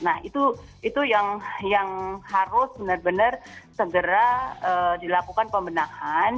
nah itu yang harus benar benar segera dilakukan pembenahan